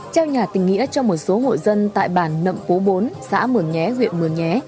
trao nhà tình nghĩa cho một số hộ dân tại bản nậm cố bốn xã mường nhé huyện mường nhé